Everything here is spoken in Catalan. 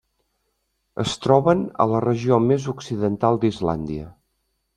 Es troben a la regió més occidental d'Islàndia.